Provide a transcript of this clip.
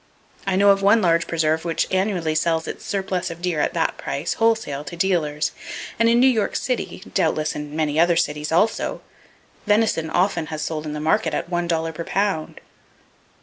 I know of one large preserve which annually sells its surplus of deer at that price, wholesale, to dealers; and in New York City (doubtless in many other cities, also) venison often has sold in the market at one dollar per pound!